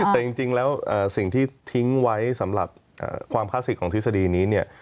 แต่จริงแล้วสิ่งที่ทิ้งไว้สำหรับความคลาสสิกไทษนี้